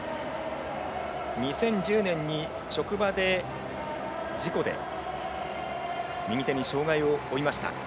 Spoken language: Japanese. ２０１０年に職場で、事故で右手に障がいを負いました。